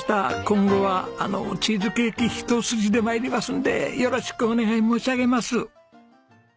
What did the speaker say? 今後はあのチーズケーキ一筋で参りますんでよろしくお願い申し上げます。